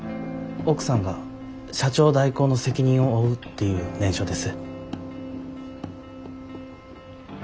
奥さんが社長代行の責任を負うっていう念書です。